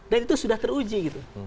dan itu sudah teruji